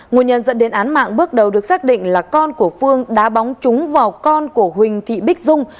nguồn nhân dẫn đến án mạng bước đầu được xác định là con của phương đã bóng trúng vào con của huỳnh thị bích dung